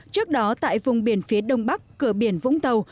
trước đó tại vùng biển phía đông bắc cửa biển vũng tàu